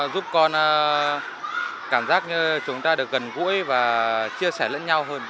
giúp con cảm giác như chúng ta được gần gũi và chia sẻ lẫn nhau hơn